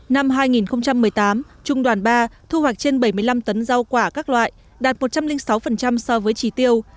năm hai nghìn một mươi tám trung đoàn ba thu hoạch trên bảy mươi năm tấn rau quả các loại đạt một trăm linh sáu so với chỉ tiêu